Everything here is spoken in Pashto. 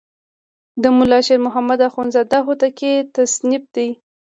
د ملا شیر محمد اخوندزاده هوتکی تصنیف دی.